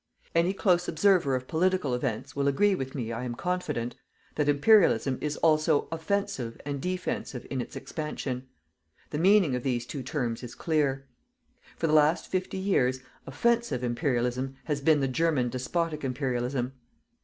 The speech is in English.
Any close observer of political events, will agree with me, I am confident, that Imperialism is also "OFFENSIVE" and "DEFENSIVE" in its expansion. The meaning of these two terms is clear. For the last fifty years, "OFFENSIVE" IMPERIALISM has been the GERMAN DESPOTIC IMPERIALISM.